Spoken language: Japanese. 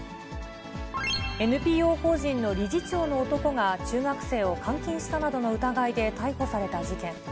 ＮＰＯ法人の理事長の男が中学生を監禁したなどの疑いで逮捕された事件。